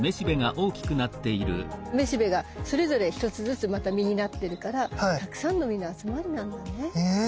めしべがそれぞれ１つずつまた実になってるからたくさんの実の集まりなんだね。